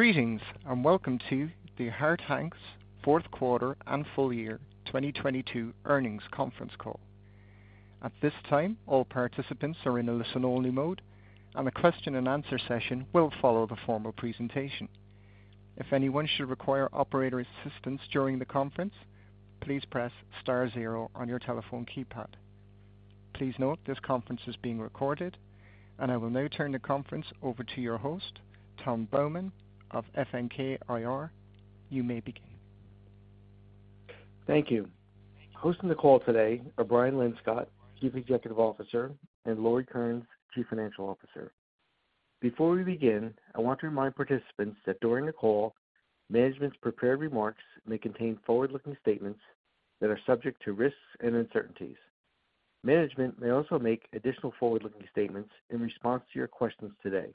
Greetings, welcome to the Harte Hanks fourth quarter and full year 2022 earnings conference call. At this time, all participants are in a listen-only mode. A question and answer session will follow the formal presentation. If anyone should require operator assistance during the conference, please press star zero on your telephone keypad. Please note this conference is being recorded. I will now turn the conference over to your host, Tom Baumann of FNK IR. You may begin. Thank you. Hosting the call today are Brian Linscott, Chief Executive Officer, and Lauri Kearnes, Chief Financial Officer. Before we begin, I want to remind participants that during the call, management's prepared remarks may contain forward-looking statements that are subject to risks and uncertainties. Management may also make additional forward-looking statements in response to your questions today.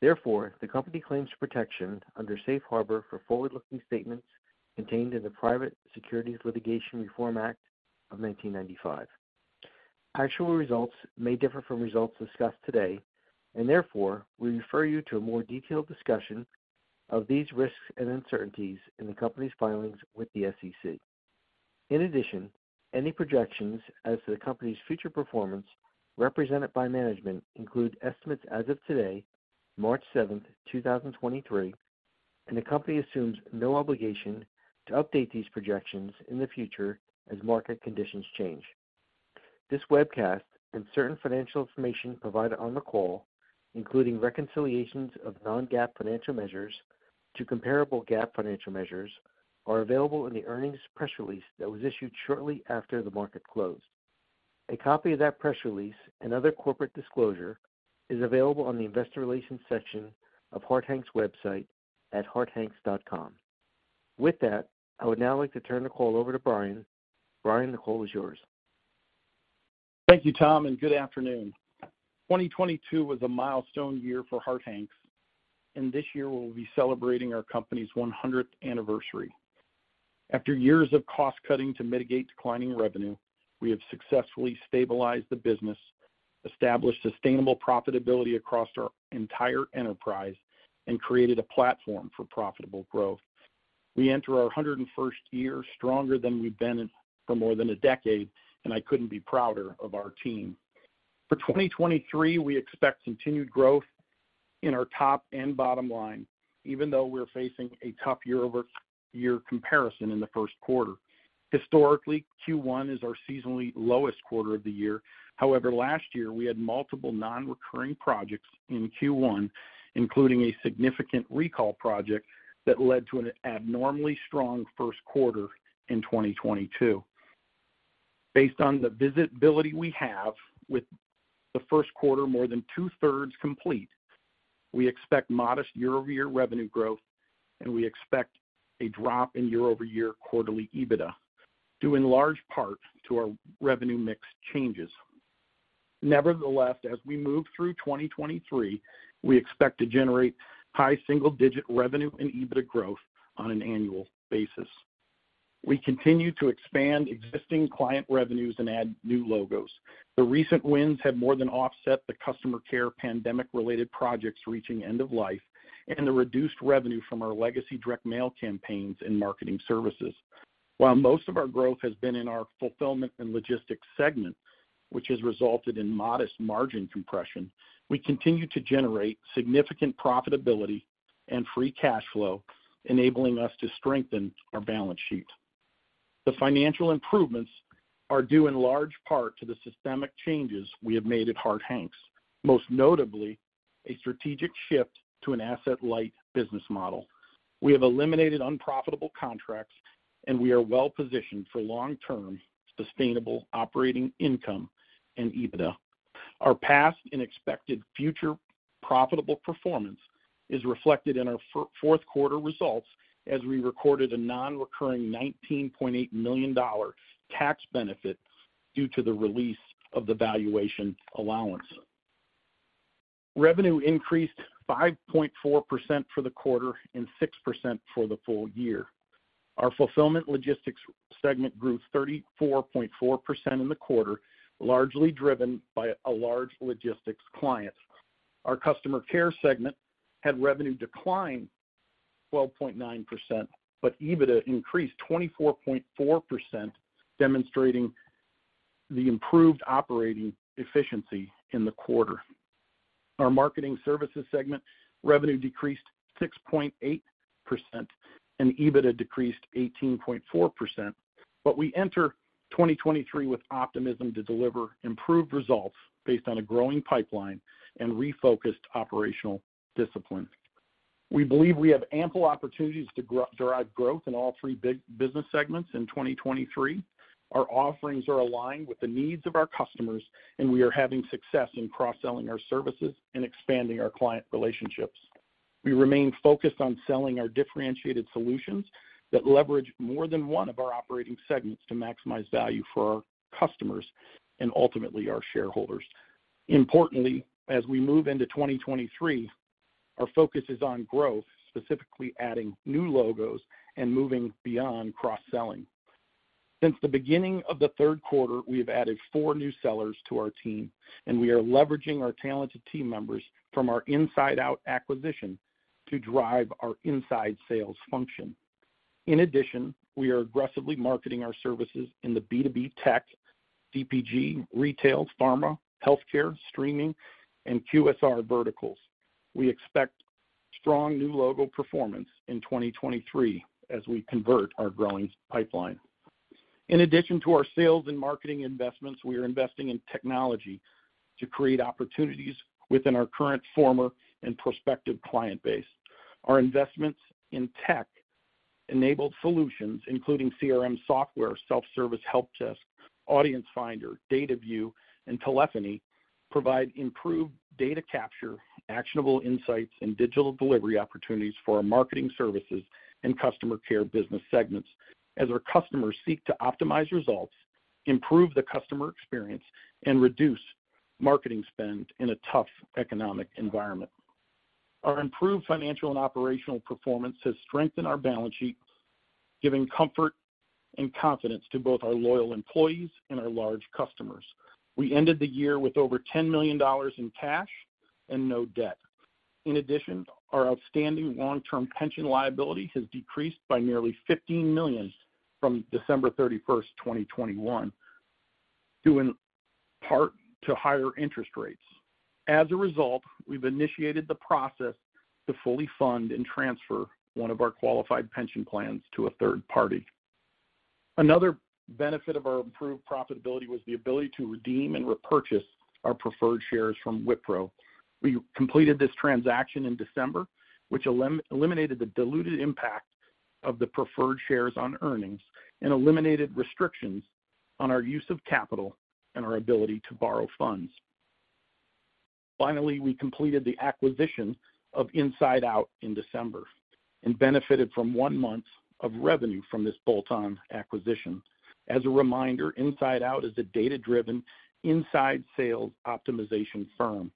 The company claims protection under Safe Harbor for forward-looking statements contained in the Private Securities Litigation Reform Act of 1995. Actual results may differ from results discussed today, and therefore, we refer you to a more detailed discussion of these risks and uncertainties in the company's filings with the SEC. Any projections as to the company's future performance represented by management include estimates as of today, March 7, 2023, and the company assumes no obligation to update these projections in the future as market conditions change. This webcast and certain financial information provided on the call, including reconciliations of non-GAAP financial measures to comparable GAAP financial measures, are available in the earnings press release that was issued shortly after the market closed. A copy of that press release and other corporate disclosure is available on the investor relations section of Harte Hanks website at hartehanks.com. With that, I would now like to turn the call over to Brian. Brian, the call is yours. Thank you, Tom. Good afternoon. 2022 was a milestone year for Harte Hanks. This year we will be celebrating our company's 100th anniversary. After years of cost-cutting to mitigate declining revenue, we have successfully stabilized the business, established sustainable profitability across our entire enterprise, and created a platform for profitable growth. We enter our 101st year stronger than we've been in for more than a decade. I couldn't be prouder of our team. For 2023, we expect continued growth in our top and bottom line, even though we're facing a tough year-over-year comparison in the first quarter. Historically, Q1 is our seasonally lowest quarter of the year. Last year, we had multiple non-recurring projects in Q1, including a significant recall project that led to an abnormally strong first quarter in 2022. Based on the visibility we have with the first quarter more than two-thirds complete, we expect modest year-over-year revenue growth. We expect a drop in year-over-year quarterly EBITDA, due in large part to our revenue mix changes. Nevertheless, as we move through 2023, we expect to generate high single-digit revenue and EBITDA growth on an annual basis. We continue to expand existing client revenues and add new logos. The recent wins have more than offset the customer care pandemic-related projects reaching end of life and the reduced revenue from our legacy direct mail campaigns and marketing services. While most of our growth has been in our fulfillment and logistics segment, which has resulted in modest margin compression, we continue to generate significant profitability and free cash flow, enabling us to strengthen our balance sheet. The financial improvements are due in large part to the systemic changes we have made at Harte Hanks, most notably a strategic shift to an asset-light business model. We have eliminated unprofitable contracts, and we are well positioned for long-term sustainable operating income and EBITDA. Our past and expected future profitable performance is reflected in our fourth quarter results as we recorded a non-recurring $19.8 million tax benefit due to the release of the valuation allowance. Revenue increased 5.4% for the quarter and 6% for the full year. Our fulfillment logistics segment grew 34.4% in the quarter, largely driven by a large logistics client. Our customer care segment had revenue decline 12.9%, but EBITDA increased 24.4%, demonstrating the improved operating efficiency in the quarter. Our marketing services segment revenue decreased 6.8%, and EBITDA decreased 18.4%. We enter 2023 with optimism to deliver improved results based on a growing pipeline and refocused operational discipline. We believe we have ample opportunities to derive growth in all three big business segments in 2023. Our offerings are aligned with the needs of our customers, and we are having success in cross-selling our services and expanding our client relationships. We remain focused on selling our differentiated solutions that leverage more than one of our operating segments to maximize value for our customers and ultimately our shareholders. Importantly, as we move into 2023, our focus is on growth, specifically adding new logos and moving beyond cross-selling. Since the beginning of the third quarter, we have added four new sellers to our team, and we are leveraging our talented team members from our InsideOut acquisition to drive our inside sales function. In addition, we are aggressively marketing our services in the B2B tech, CPG, retail, pharma, healthcare, streaming, and QSR verticals. We expect strong new logo performance in 2023 as we convert our growing pipeline. In addition to our sales and marketing investments, we are investing in technology to create opportunities within our current, former, and prospective client base. Our investments in tech-enabled solutions, including CRM software, self-service help desk, Audience Finder, DataView, and telephony, provide improved data capture, actionable insights, and digital delivery opportunities for our marketing services and customer care business segments as our customers seek to optimize results, improve the customer experience, and reduce marketing spend in a tough economic environment. Our improved financial and operational performance has strengthened our balance sheet, giving comfort and confidence to both our loyal employees and our large customers. We ended the year with over $10 million in cash and no debt. Our outstanding long-term pension liability has decreased by nearly $15 million from December 31st, 2021, due in part to higher interest rates. We've initiated the process to fully fund and transfer one of our qualified pension plans to a third party. Another benefit of our improved profitability was the ability to redeem and repurchase our preferred shares from Wipro. We completed this transaction in December, which eliminated the diluted impact of the preferred shares on earnings and eliminated restrictions on our use of capital and our ability to borrow funds. Finally, we completed the acquisition of InsideOut in December and benefited from one month of revenue from this bolt-on acquisition. As a reminder, InsideOut is a data-driven inside sales optimization firm.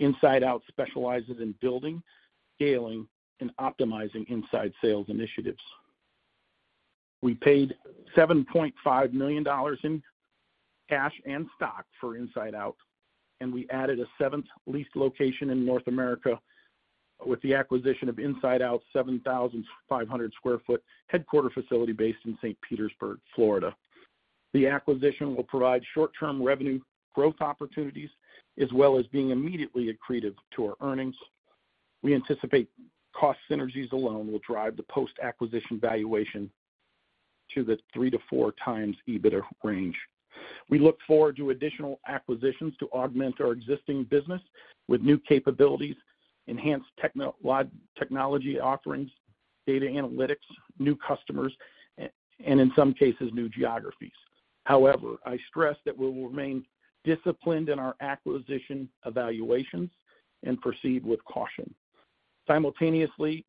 InsideOut specializes in building, scaling, and optimizing inside sales initiatives. We paid $7.5 million in cash and stock for InsideOut, and we added a seventh leased location in North America with the acquisition of InsideOut's 7,500 sq ft headquarter facility based in St. Petersburg, Florida. The acquisition will provide short-term revenue growth opportunities as well as being immediately accretive to our earnings. We anticipate cost synergies alone will drive the post-acquisition valuation to the 3 to 4 times EBITDA range. We look forward to additional acquisitions to augment our existing business with new capabilities, enhanced technology offerings, data analytics, new customers, and in some cases, new geographies. However, I stress that we will remain disciplined in our acquisition evaluations and proceed with caution. Simultaneously,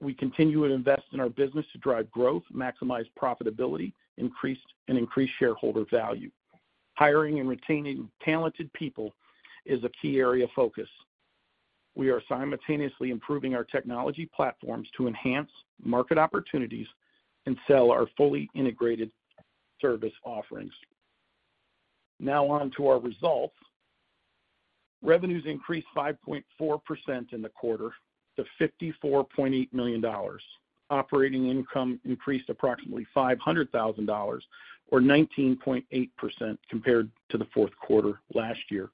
we continue to invest in our business to drive growth, maximize profitability, and increase shareholder value. Hiring and retaining talented people is a key area of focus. We are simultaneously improving our technology platforms to enhance market opportunities and sell our fully integrated service offerings. Now on to our results. Revenues increased 5.4% in the quarter to $54.8 million. Operating income increased approximately $500,000 or 19.8% compared to the fourth quarter last year.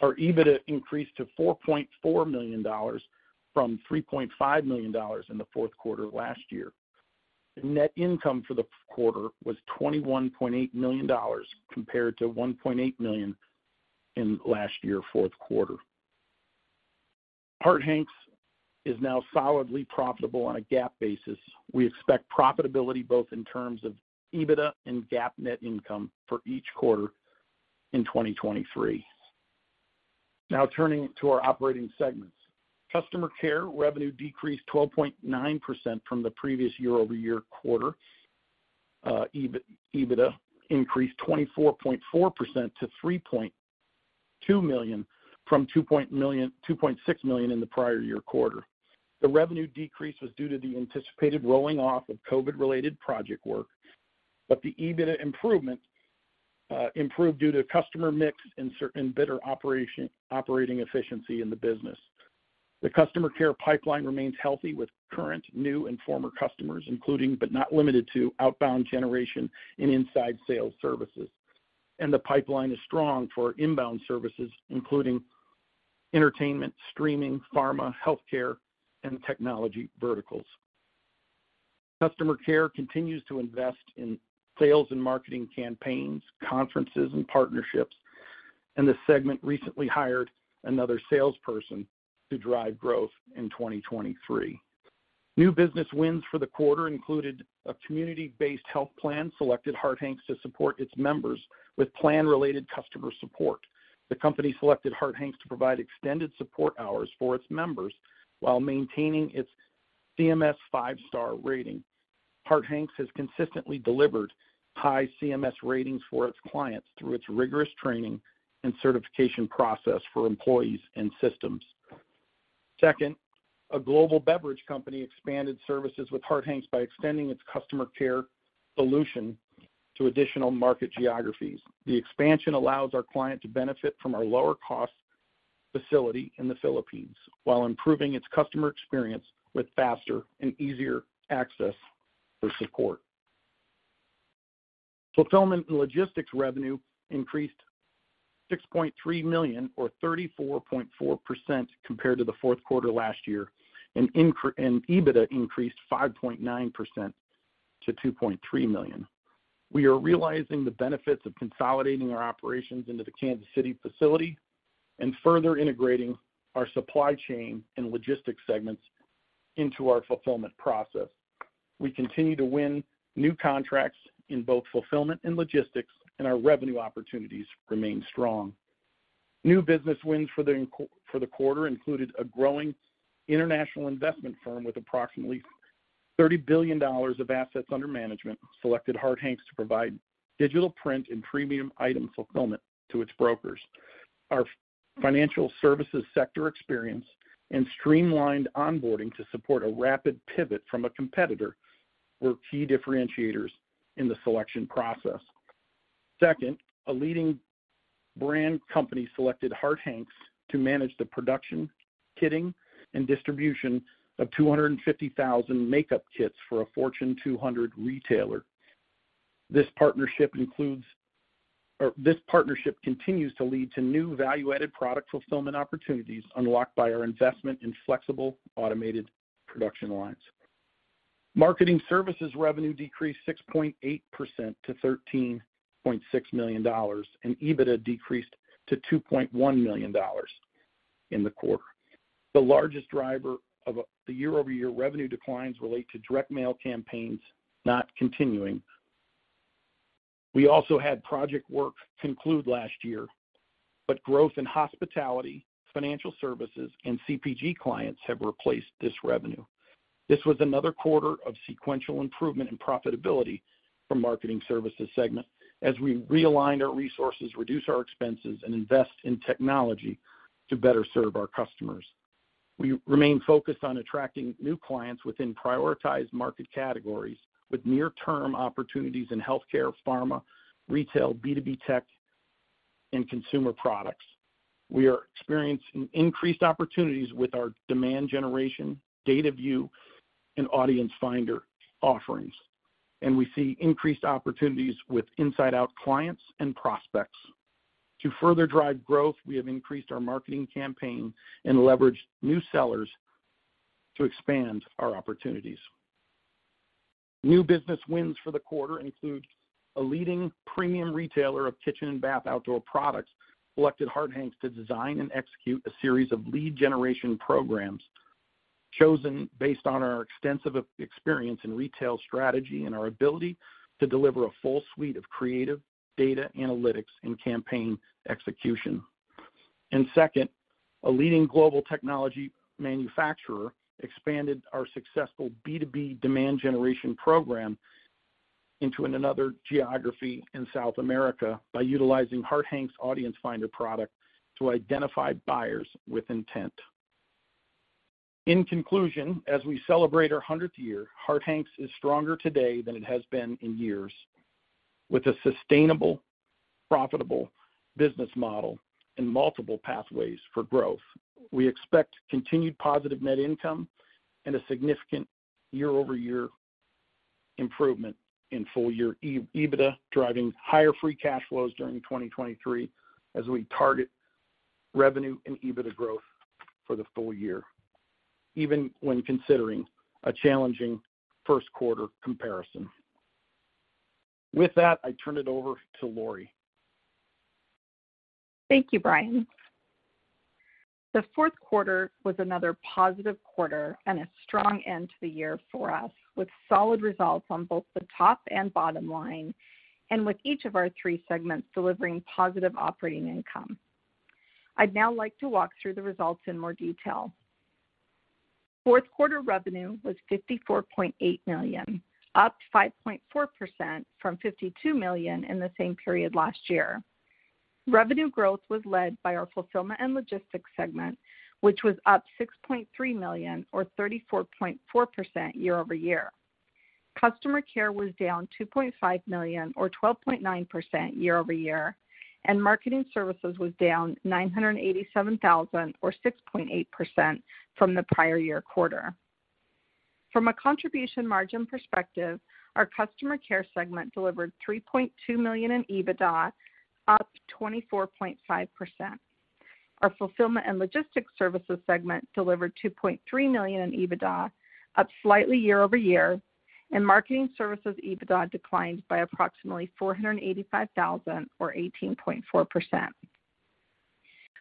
Our EBITDA increased to $4.4 million from $3.5 million in the fourth quarter last year. Net income for the quarter was $21.8 million compared to $1.8 million in last year, fourth quarter. Harte Hanks is now solidly profitable on a GAAP basis. We expect profitability both in terms of EBITDA and GAAP net income for each quarter in 2023. Now turning to our operating segments. EBITDA increased 24.4% from the previous year-over-year quarter. EBITDA increased 24.4% to $3.2 million from $2.6 million in the prior year quarter. The revenue decrease was due to the anticipated rolling off of COVID-related project work, but the EBITDA improvement improved due to customer mix and certain better operating efficiency in the business. The customer care pipeline remains healthy with current, new, and former customers, including, but not limited to, outbound generation and inside sales services. The pipeline is strong for inbound services, including entertainment, streaming, pharma, healthcare, and technology verticals. Customer care continues to invest in sales and marketing campaigns, conferences, and partnerships, and the segment recently hired another salesperson to drive growth in 2023. New business wins for the quarter included a community-based health plan selected Harte Hanks to support its members with plan-related customer support. The company selected Harte Hanks to provide extended support hours for its members while maintaining its CMS five-star rating. Harte Hanks has consistently delivered high CMS ratings for its clients through its rigorous training and certification process for employees and systems. Second, a global beverage company expanded services with Harte Hanks by extending its customer care solution to additional market geographies. The expansion allows our client to benefit from our lower cost facility in the Philippines while improving its customer experience with faster and easier access for support. Fulfillment and logistics revenue increased $6.3 million or 34.4% compared to the fourth quarter last year, and EBITDA increased 5.9% to $2.3 million. We are realizing the benefits of consolidating our operations into the Kansas City facility and further integrating our supply chain and logistics segments into our fulfillment process. We continue to win new contracts in both fulfillment and logistics, and our revenue opportunities remain strong. New business wins for the quarter included a growing international investment firm with approximately $30 billion of assets under management, selected Harte Hanks to provide digital print and premium item fulfillment to its brokers. Our financial services sector experience and streamlined onboarding to support a rapid pivot from a competitor were key differentiators in the selection process. Second, a leading brand company selected Harte Hanks to manage the production, kitting, and distribution of 250,000 makeup kits for a Fortune 200 retailer. This partnership continues to lead to new value-added product fulfillment opportunities unlocked by our investment in flexible automated production lines. Marketing services revenue decreased 6.8% to $13.6 million, and EBITDA decreased to $2.1 million in the quarter. The largest driver of the year-over-year revenue declines relate to direct mail campaigns not continuing. We also had project work conclude last year, but growth in hospitality, financial services, and CPG clients have replaced this revenue. This was another quarter of sequential improvement in profitability for marketing services segment as we realigned our resources, reduce our expenses, and invest in technology to better serve our customers. We remain focused on attracting new clients within prioritized market categories with near term opportunities in healthcare, pharma, retail, B2B tech, and consumer products. We are experiencing increased opportunities with our Demand Generation, DataView, and Audience Finder offerings, and we see increased opportunities with InsideOut clients and prospects. To further drive growth, we have increased our marketing campaign and leveraged new sellers to expand our opportunities. New business wins for the quarter include a leading premium retailer of kitchen and bath outdoor products selected Harte Hanks to design and execute a series of lead generation programs chosen based on our extensive experience in retail strategy and our ability to deliver a full suite of creative data analytics and campaign execution. Second, a leading global technology manufacturer expanded our successful B2B Demand Generation program into another geography in South America by utilizing Harte Hanks' Audience Finder product to identify buyers with intent. In conclusion, as we celebrate our hundredth year, Harte Hanks is stronger today than it has been in years. With a sustainable, profitable business model and multiple pathways for growth, we expect continued positive net income and a significant year-over-year improvement in full year EBITDA, driving higher free cash flows during 2023 as we target revenue and EBITDA growth for the full year, even when considering a challenging first quarter comparison. With that, I turn it over to Lauri. Thank you, Brian. The fourth quarter was another positive quarter and a strong end to the year for us with solid results on both the top and bottom line, with each of our three segments delivering positive operating income. I'd now like to walk through the results in more detail. Fourth quarter revenue was $54.8 million, up 5.4% from $52 million in the same period last year. Revenue growth was led by our fulfillment and logistics segment, which was up $6.3 million or 34.4% year-over-year. Customer care was down $2.5 million or 12.9% year-over-year, marketing services was down $987 thousand or 6.8% from the prior year quarter. From a contribution margin perspective, our customer care segment delivered $3.2 million in EBITDA, up 24.5%. Our fulfillment and logistics services segment delivered $2.3 million in EBITDA, up slightly year-over-year, and marketing services EBITDA declined by approximately $485,000 or 18.4%.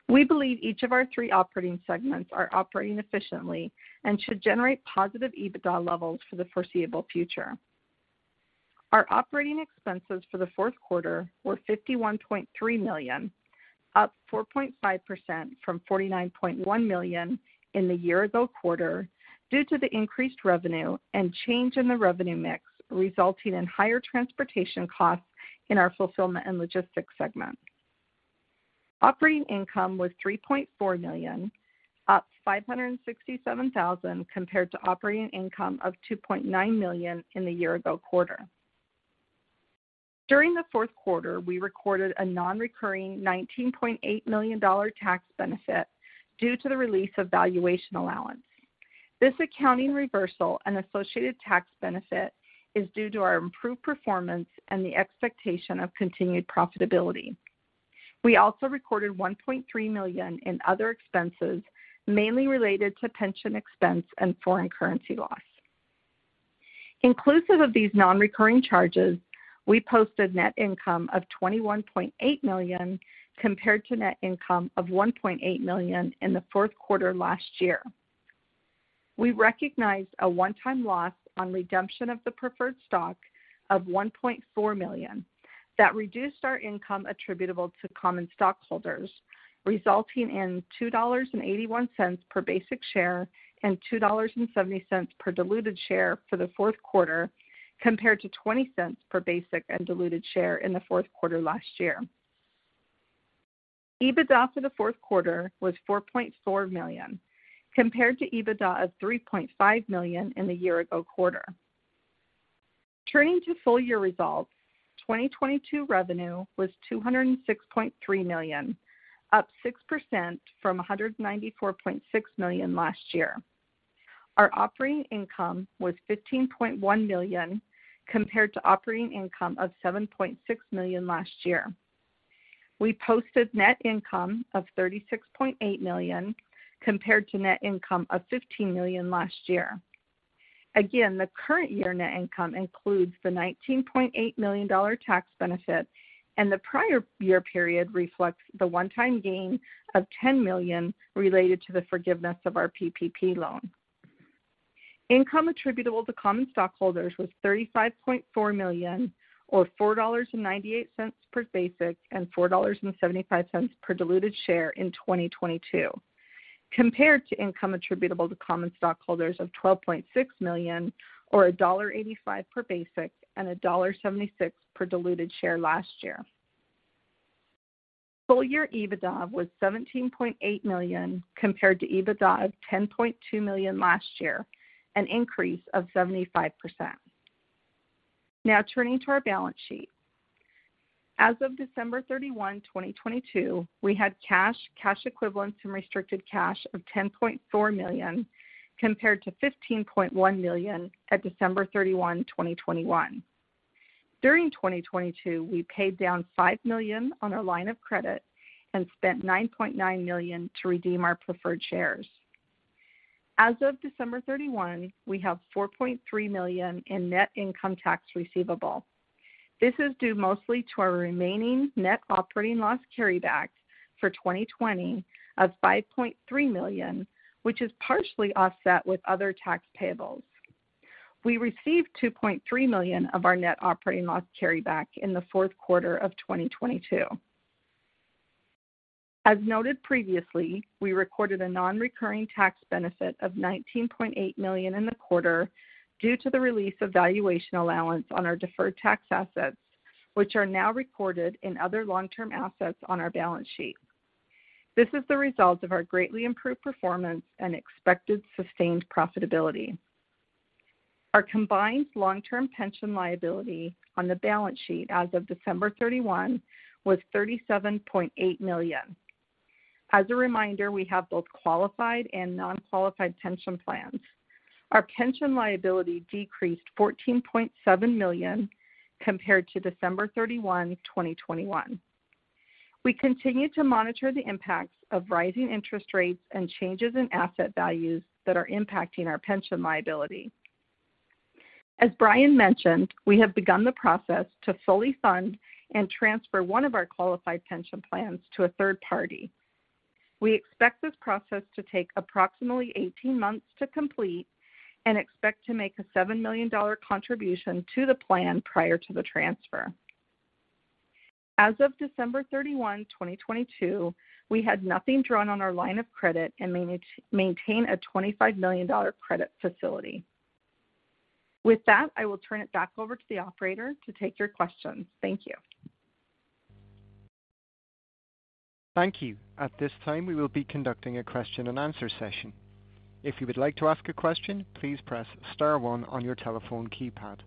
We believe each of our three operating segments are operating efficiently and should generate positive EBITDA levels for the foreseeable future. Our operating expenses for the fourth quarter were $51.3 million, up 4.5% from $49.1 million in the year ago quarter due to the increased revenue and change in the revenue mix, resulting in higher transportation costs in our fulfillment and logistics segment. Operating income was $3.4 million, up $567,000 compared to operating income of $2.9 million in the year ago quarter. During the fourth quarter, we recorded a non-recurring $19.8 million tax benefit due to the release of valuation allowance. This accounting reversal and associated tax benefit is due to our improved performance and the expectation of continued profitability. We also recorded $1.3 million in other expenses, mainly related to pension expense and foreign currency loss. Inclusive of these non-recurring charges, we posted net income of $21.8 million compared to net income of $1.8 million in the fourth quarter last year. We recognized a one-time loss on redemption of the preferred stock of $1.4 million. That reduced our income attributable to common stockholders, resulting in $2.81 per basic share and $2.70 per diluted share for the fourth quarter compared to $0.20 per basic and diluted share in the fourth quarter last year. EBITDA for the fourth quarter was $4.4 million, compared to EBITDA of $3.5 million in the year ago quarter. Turning to full-year results, 2022 revenue was $206.3 million, up 6% from $194.6 million last year. Our operating income was $15.1 million compared to operating income of $7.6 million last year. We posted net income of $36.8 million compared to net income of $15 million last year. Again, the current year net income includes the $19.8 million tax benefit, and the prior year period reflects the one-time gain of $10 million related to the forgiveness of our PPP loan. Income attributable to common stockholders was $35.4 million, or $4.98 per basic and $4.75 per diluted share in 2022, compared to income attributable to common stockholders of $12.6 million or $1.85 per basic and $1.76 per diluted share last year. Full year EBITDA was $17.8 million compared to EBITDA of $10.2 million last year, an increase of 75%. Turning to our balance sheet. As of December 31, 2022, we had cash equivalents, and restricted cash of $10.4 million, compared to $15.1 million at December 31, 2021. During 2022, we paid down $5 million on our line of credit and spent $9.9 million to redeem our preferred shares. As of December 31, we have $4.3 million in net income tax receivable. This is due mostly to our remaining net operating loss carryback for 2020 of $5.3 million, which is partially offset with other tax payables. We received $2.3 million of our net operating loss carryback in the fourth quarter of 2022. As noted previously, we recorded a non-recurring tax benefit of $19.8 million in the quarter due to the release of valuation allowance on our deferred tax assets, which are now recorded in other long-term assets on our balance sheet. This is the result of our greatly improved performance and expected sustained profitability. Our combined long-term pension liability on the balance sheet as of December 31 was $37.8 million. As a reminder, we have both qualified and non-qualified pension plans. Our pension liability decreased $14.7 million compared to December 31, 2021. We continue to monitor the impacts of rising interest rates and changes in asset values that are impacting our pension liability. As Brian mentioned, we have begun the process to fully fund and transfer one of our qualified pension plans to a third party. We expect this process to take approximately 18 months to complete and expect to make a $7 million contribution to the plan prior to the transfer. As of December 31, 2022, we had nothing drawn on our line of credit and maintain a $25 million credit facility. With that, I will turn it back over to the operator to take your questions. Thank you. Thank you. At this time, we will be conducting a question and answer session. If you would like to ask a question, please press star one on your telephone keypad.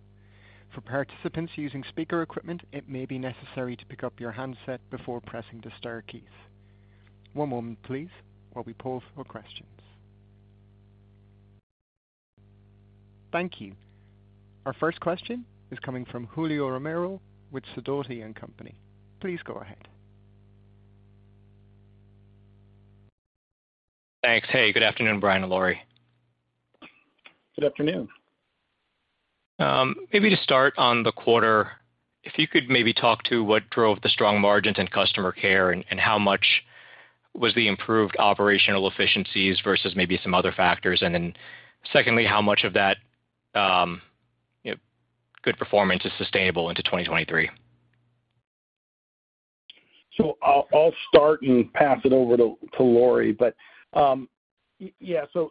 For participants using speaker equipment, it may be necessary to pick up your handset before pressing the star keys. One moment please while we pause for questions. Thank you. Our first question is coming from Julio Romero with Sidoti & Company. Please go ahead. Thanks. Hey, good afternoon, Brian and Lauri. Good afternoon. Maybe to start on the quarter, if you could maybe talk to what drove the strong margins in customer care and how much was the improved operational efficiencies versus maybe some other factors? Secondly, how much of that, you know, good performance is sustainable into 2023? I'll start and pass it over to Lauri. Yeah.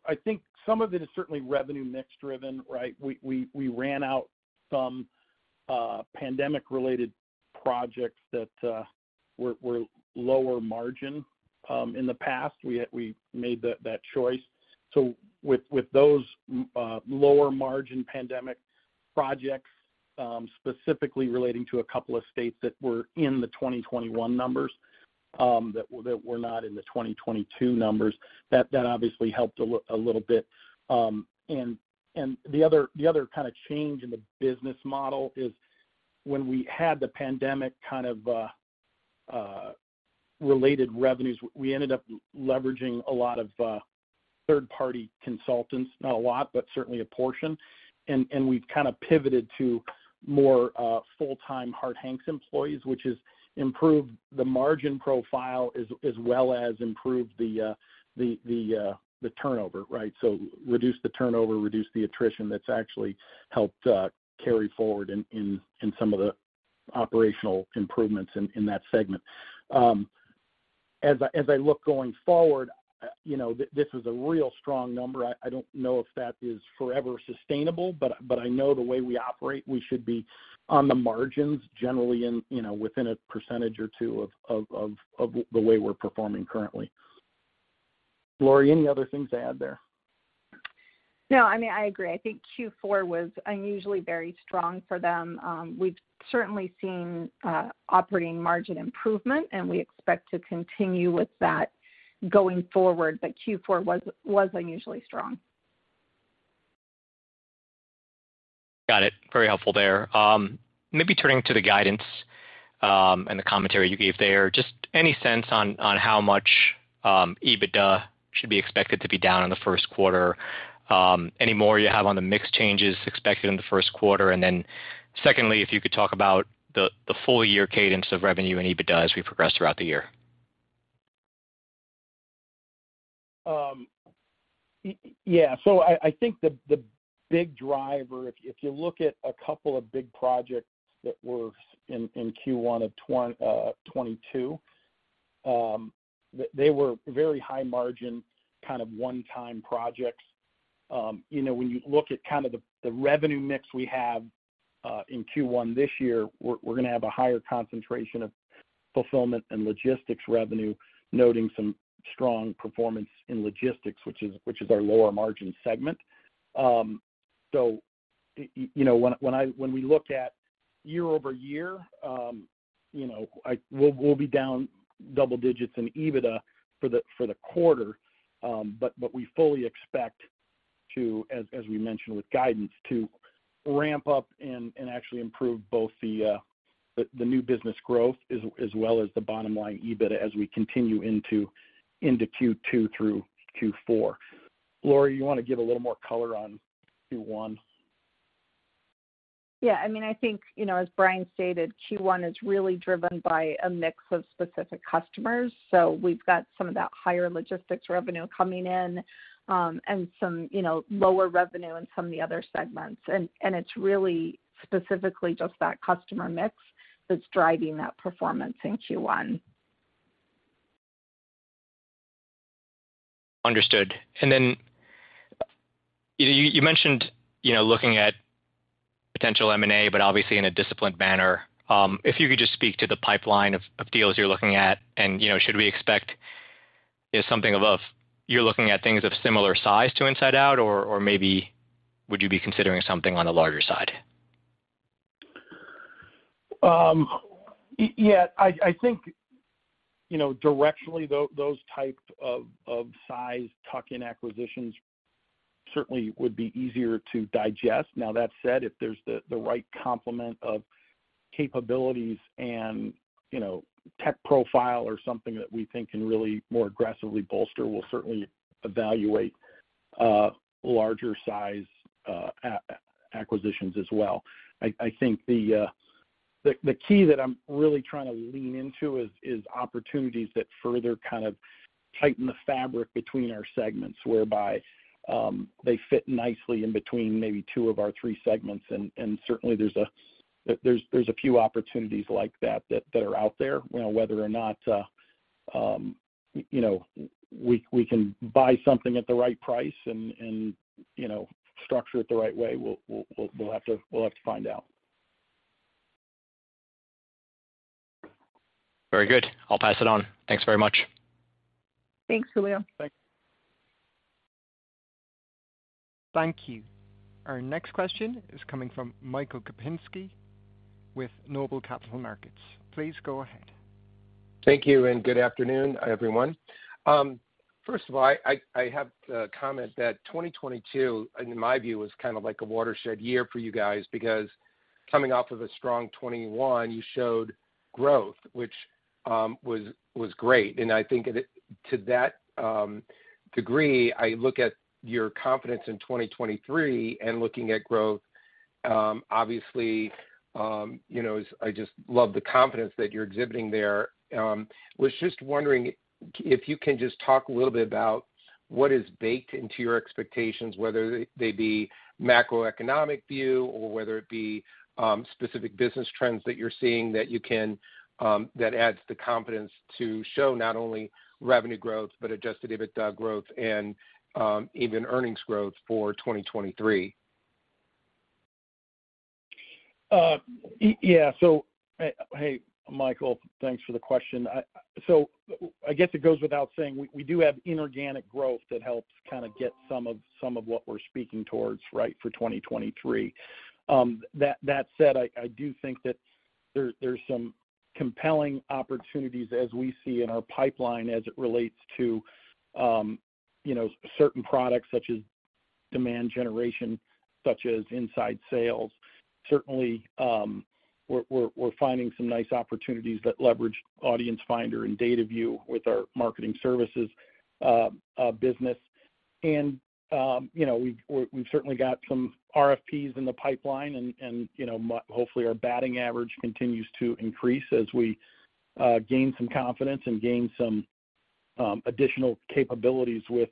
I think some of it is certainly revenue mix driven, right? We ran out some pandemic-related projects that were lower margin in the past. We made that choice. With those lower margin pandemic projects, specifically relating to a couple of states that were in the 2021 numbers, that were not in the 2022 numbers, that obviously helped a little bit. The other kind of change in the business model is when we had the pandemic kind of related revenues, we ended up leveraging a lot of third party consultants, not a lot, but certainly a portion. We've kind of pivoted to more full-time Harte Hanks employees, which has improved the margin profile as well as improved the turnover, right? Reduced the turnover, reduced the attrition. That's actually helped carry forward in some of the operational improvements in that segment. As I look going forward, you know, this is a real strong number. I don't know if that is forever sustainable, but I know the way we operate, we should be on the margins generally in, you know, within a percentage or two of the way we're performing currently. Lauri, any other things to add there? No. I mean, I agree. I think Q4 was unusually very strong for them. We've certainly seen operating margin improvement, and we expect to continue with that going forward. Q4 was unusually strong. Got it. Very helpful there. Maybe turning to the guidance, and the commentary you gave there. Just any sense on how much EBITDA should be expected to be down in the first quarter? Any more you have on the mix changes expected in the first quarter? Secondly, if you could talk about the full year cadence of revenue and EBITDA as we progress throughout the year. Yeah. I think the big driver, if you look at a couple of big projects that were in Q1 of 2022, they were very high margin, kind of one-time projects. You know, when you look at kind of the revenue mix we have in Q1 this year, we're gonna have a higher concentration of fulfillment and logistics revenue, noting some strong performance in logistics, which is our lower margin segment. You know, when we look at year over year, you know, we'll be down double digits in EBITDA for the quarter. We fully expect to, as we mentioned with guidance, to ramp up and actually improve both the new business growth as well as the bottom line EBITDA as we continue into Q2 through Q4. Lauri, you wanna give a little more color on Q1? Yeah. I mean, I think, you know, as Brian stated, Q1 is really driven by a mix of specific customers. We've got some of that higher logistics revenue coming in, and some, you know, lower revenue in some of the other segments. It's really specifically just that customer mix that's driving that performance in Q1. Understood. You mentioned, you know, looking at potential M&A, but obviously in a disciplined manner. If you could just speak to the pipeline of deals you're looking at, and, you know, should we expect something of similar size to InsideOut, or maybe would you be considering something on the larger side? Yeah. I think, you know, directionally, those type of size tuck-in acquisitions certainly would be easier to digest. Now, that said, if there's the right complement of capabilities and, you know, tech profile or something that we think can really more aggressively bolster, we'll certainly evaluate larger size acquisitions as well. I think the key that I'm really trying to lean into is opportunities that further kind of tighten the fabric between our segments, whereby they fit nicely in between maybe two of our three segments. Certainly there's a few opportunities like that that are out there. You know, whether or not, you know, we can buy something at the right price and, you know, structure it the right way, we'll have to find out. Very good. I'll pass it on. Thanks very much. Thanks, Julio. Thanks. Thank you. Our next question is coming from Michael Kupinski with Noble Capital Markets. Please go ahead. Thank you. Good afternoon, everyone. First of all, I have to comment that 2022, in my view, was kind of like a watershed year for you guys because coming off of a strong 2021, you showed growth, which was great. I think that to that degree, I look at your confidence in 2023 and looking at growth, obviously, you know, I just love the confidence that you're exhibiting there. Was just wondering if you can just talk a little bit about what is baked into your expectations, whether they be macroeconomic view or whether it be specific business trends that you're seeing that you can that adds the confidence to show not only revenue growth, but adjusted EBITDA growth and even earnings growth for 2023. Yeah. Hey, Michael Kupinski, thanks for the question. I guess it goes without saying, we do have inorganic growth that helps kind of get some of what we're speaking towards, right, for 2023. That said, I do think that there's some compelling opportunities as we see in our pipeline as it relates to, you know, certain products such as Demand Generation, such as inside sales. Certainly, we're finding some nice opportunities that leverage Audience Finder and DataView with our marketing services business. You know, we've certainly got some RFPs in the pipeline and, you know, hopefully, our batting average continues to increase as we gain some confidence and gain some additional capabilities with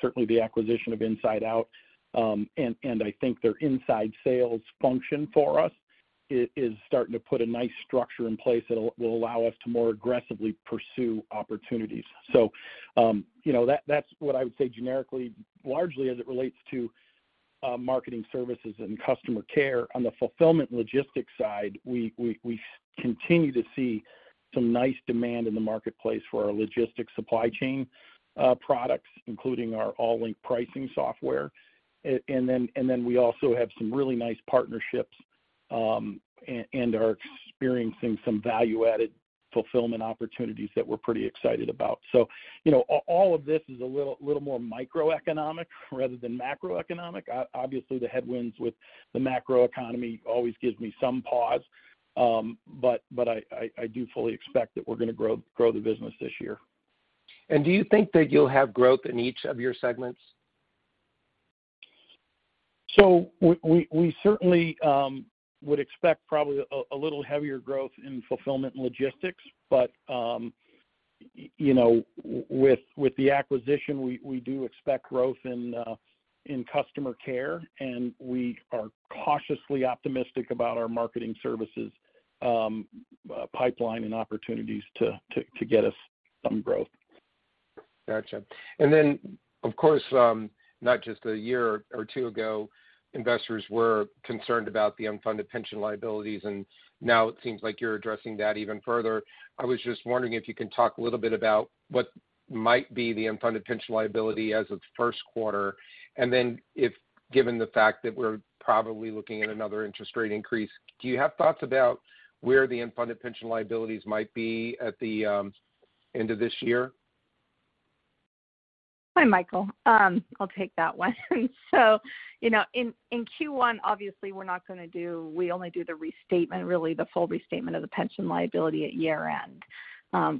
certainly the acquisition of InsideOut. I think their inside sales function for us is starting to put a nice structure in place that will allow us to more aggressively pursue opportunities. You know, that's what I would say generically, largely as it relates to marketing services and customer care. On the fulfillment logistics side, we continue to see some nice demand in the marketplace for our logistics supply chain products, including our Allink pricing software. We also have some really nice partnerships and are experiencing some value-added fulfillment opportunities that we're pretty excited about. You know, all of this is a little more microeconomic rather than macroeconomic. Obviously, the headwinds with the macroeconomy always gives me some pause. I do fully expect that we're gonna grow the business this year. Do you think that you'll have growth in each of your segments? We certainly would expect probably a little heavier growth in fulfillment and logistics. You know, with the acquisition, we do expect growth in customer care, and we are cautiously optimistic about our marketing services, pipeline and opportunities to get us some growth. Gotcha. Of course, not just a year or two ago, investors were concerned about the unfunded pension liabilities, and now it seems like you're addressing that even further. I was just wondering if you can talk a little bit about what might be the unfunded pension liability as of first quarter. Given the fact that we're probably looking at another interest rate increase, do you have thoughts about where the unfunded pension liabilities might be at the end of this year? Hi, Michael. I'll take that one. You know, in Q1, obviously, we only do the restatement, really the full restatement of the pension liability at year-end.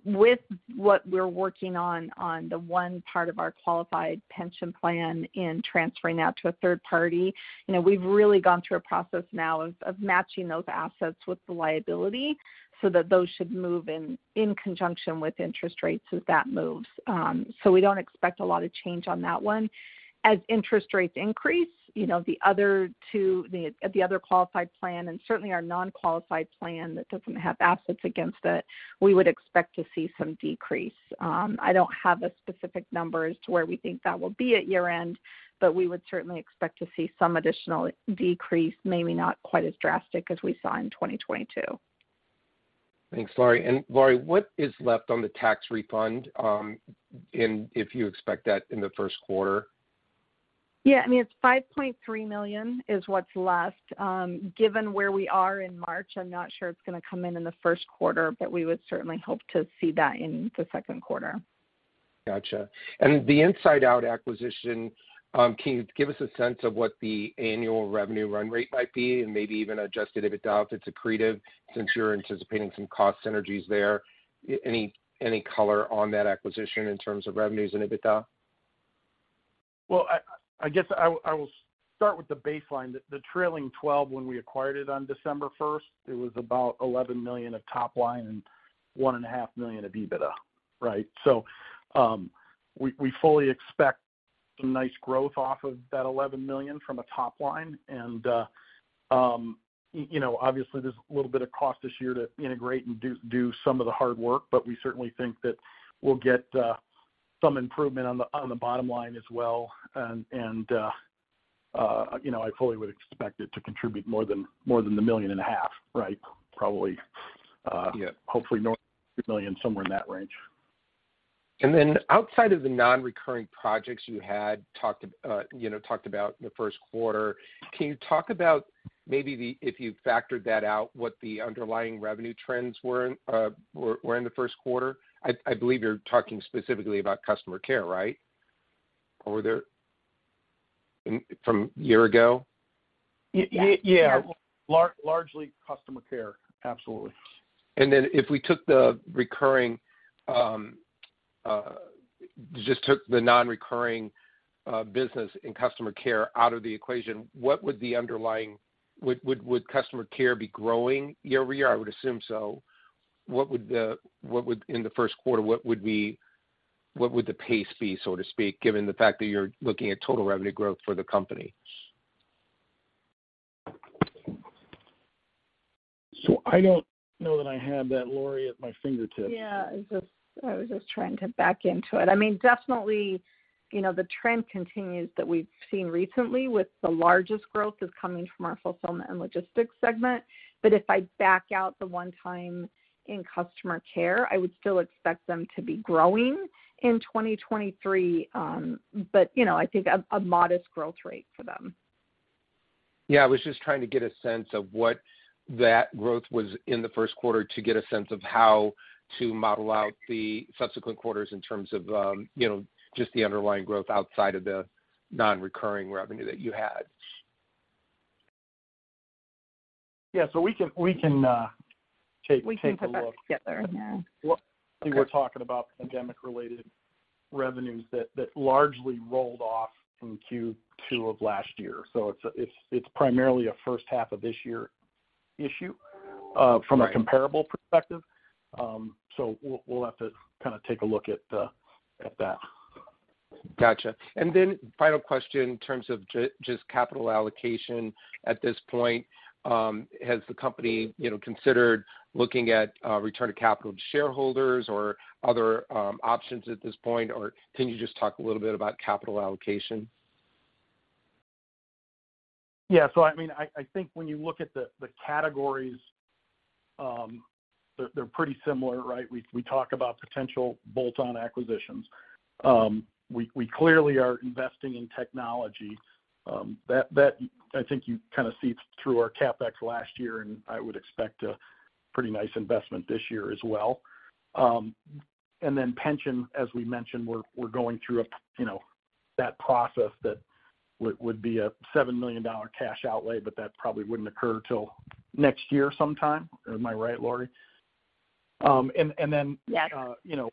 With what we're working on the one part of our qualified pension plan in transferring that to a third party, you know, we've really gone through a process now of matching those assets with the liability so that those should move in conjunction with interest rates as that moves. We don't expect a lot of change on that one. As interest rates increase, you know, the other two, the other qualified plan and certainly our non-qualified plan that doesn't have assets against it, we would expect to see some decrease. I don't have a specific number as to where we think that will be at year-end, but we would certainly expect to see some additional decrease, maybe not quite as drastic as we saw in 2022. Thanks, Lauri. Lauri, what is left on the tax refund, and if you expect that in the first quarter? Yeah. I mean, it's $5.3 million is what's left. Given where we are in March, I'm not sure it's gonna come in in the first quarter, but we would certainly hope to see that in the second quarter. Gotcha. The InsideOut acquisition, can you give us a sense of what the annual revenue run rate might be and maybe even adjusted EBITDA, if it's accretive, since you're anticipating some cost synergies there? Any color on that acquisition in terms of revenues and EBITDA? Well, I guess I will start with the baseline. The trailing twelve when we acquired it on December first, it was about $11 million of top line and $1.5 million of EBITDA, right? We fully expect some nice growth off of that $11 million from a top line. you know, obviously, there's a little bit of cost this year to integrate and do some of the hard work, but we certainly think that we'll get some improvement on the bottom line as well. you know, I fully would expect it to contribute more than $1.5 million, right? Probably. Yeah... hopefully north of $1 million, somewhere in that range. Outside of the non-recurring projects you had talked, you know, talked about in the first quarter, can you talk about if you factored that out, what the underlying revenue trends were in the first quarter? I believe you're talking specifically about customer care, right? From a year ago? Yeah. Largely customer care, absolutely. If we took the recurring, just took the non-recurring business and customer care out of the equation, Would customer care be growing year-over-year? I would assume so. In the first quarter, what would the pace be, so to speak, given the fact that you're looking at total revenue growth for the company? I don't know that I have that, Lauri, at my fingertips. Yeah. I was just trying to back into it. I mean, definitely, you know, the trend continues that we've seen recently with the largest growth is coming from our fulfillment and logistics segment. If I back out the one-time in customer care, I would still expect them to be growing in 2023. You know, I think a modest growth rate for them. Yeah, I was just trying to get a sense of what that growth was in the first quarter to get a sense of how to model out the subsequent quarters in terms of, you know, just the underlying growth outside of the non-recurring revenue that you had. Yeah. We can take a look. We can put that together, yeah. I think we're talking about pandemic related revenues that largely rolled off in Q2 of last year. It's primarily a first half of this year issue. Right... from a comparable perspective. we'll have to kinda take a look at that. Gotcha. Final question in terms of just capital allocation. At this point, has the company, you know, considered looking at return of capital to shareholders or other options at this point? Can you just talk a little bit about capital allocation? Yeah. I mean, I think when you look at the categories, they're pretty similar, right? We talk about potential bolt-on acquisitions. We clearly are investing in technology. That I think you kind of see through our CapEx last year, I would expect a pretty nice investment this year as well. Pension, as we mentioned, we're going through you know, that process that would be a $7 million cash outlay, that probably wouldn't occur until next year sometime. Am I right, Lauri? Yes... you know,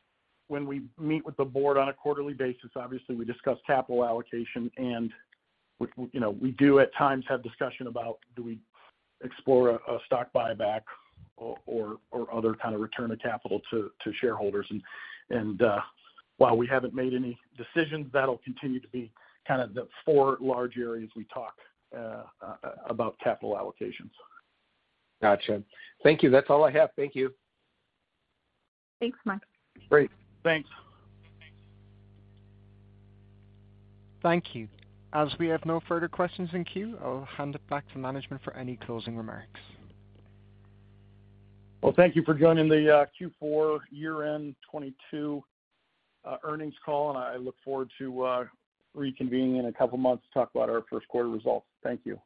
when we meet with the board on a quarterly basis, obviously we discuss capital allocation and we, you know, we do at times have discussion about do we explore a stock buyback or other kind of return of capital to shareholders. While we haven't made any decisions, that'll continue to be kind of the four large areas we talk about capital allocations. Gotcha. Thank you. That's all I have. Thank you. Thanks, Michael. Great. Thanks. Thank you. As we have no further questions in queue, I'll hand it back to management for any closing remarks. Well, thank you for joining the Q4 year-end 2022 earnings call, and I look forward to reconvening in a couple months to talk about our first quarter results. Thank you.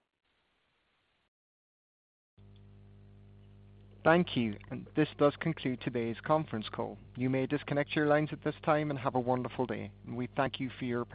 Thank you. This does conclude today's conference call. You may disconnect your lines at this time, and have a wonderful day. We thank you for your participation.